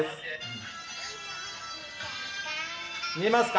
見えますか？